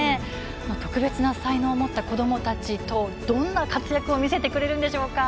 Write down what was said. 特別な才能を持った子どもたちとどんな活躍を見せてくれるんでしょうか。